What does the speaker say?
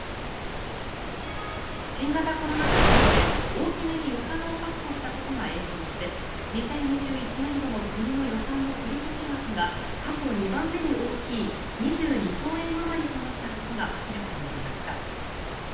新型コロナ対策で大きめに予算を確保したことが影響して２０２１年度の国の予算の繰越額が過去２番目に大きい２２兆円あまりとなったことが明らかになりました。